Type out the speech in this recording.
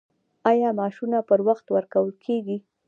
آیا معاشونه پر وخت ورکول کیږي؟